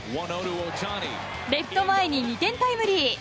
レフト前に２点タイムリー。